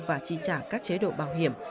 và chi trả các chế độ bảo hiểm